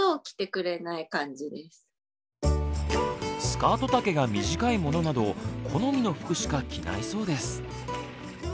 スカート丈が短いものなど好みの服しか着ないそうです。